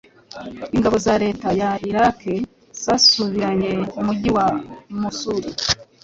ingabo za leta ya Iraq zasubiranye umujyi wa Mosul